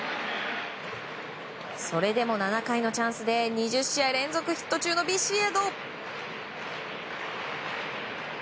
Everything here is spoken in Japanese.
それでも７回のチャンスで２０試合連続ヒット中のビシエド。